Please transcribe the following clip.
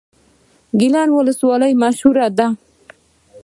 ګیلان ولسوالۍ مشهوره ده؟